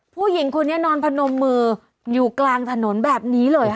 ผู้หญิงคนนี้นอนพนมมืออยู่กลางถนนแบบนี้เลยค่ะ